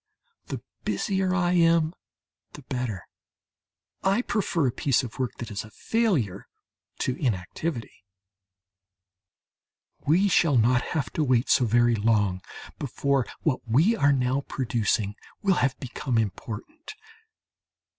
The busier I am the better; I prefer a piece of work that is a failure to inactivity. We shall not have to wait so very long before what we are now producing will have become important.